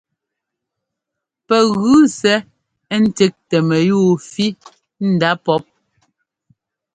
Pɛ gʉ sɛ́ ńtíꞌtɛ mɛyúu fí ndá pɔ́p.